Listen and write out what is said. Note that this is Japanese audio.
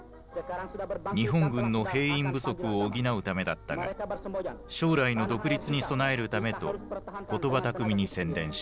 日本軍の兵員不足を補うためだったが将来の独立に備えるためと言葉巧みに宣伝した。